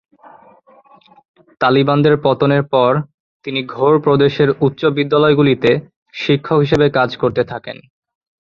তালিবানদের পতনের পর তিনি ঘোর প্রদেশের উচ্চ বিদ্যালয়গুলিতে শিক্ষক হিসেবে কাজ করতে থাকেন।